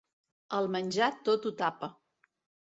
El menjar tot ho tapa.